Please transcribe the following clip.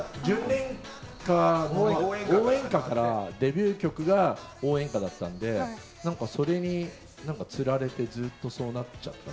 『純恋歌』も応援歌からデビュー曲が『応援歌』だったんで、それにつられて、ずっとそうなっちゃった。